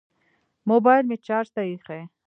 موبیل مې چارج ته ایښی